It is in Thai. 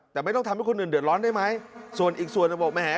แต่ไม่ต้องทำให้คนอื่นเดือดร้อนได้ไหมส่วนอีกส่วนระบบแหม